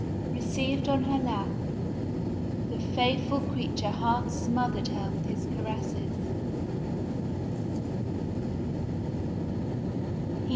Received on her lap, the faithful creature half smothered her with his caresses.